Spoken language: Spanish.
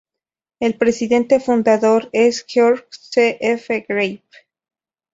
El Presidente Fundador es Georg C. F. Greve.